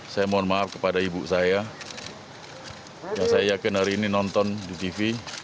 saya mohon maaf kepada ibu saya yang saya yakin hari ini nonton di tv